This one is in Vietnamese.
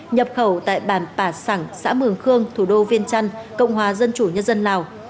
nhập khẩu tại bản pà sẳng xã mường khương thủ đô viên trăn cộng hòa dân chủ nhân dân lào